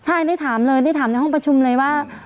ใช่ได้ถามเลยได้ถามในห้องประชุมเลยว่า